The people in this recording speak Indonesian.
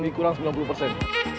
ini kurang sembilan puluh persen